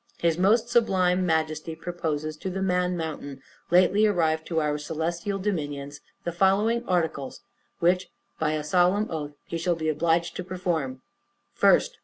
His most sublime Majesty proposes to the Man Mountain, lately arrived to our celestial dominions, the following articles, which, by a solemn oath, he shall be obliged to perform: 1st.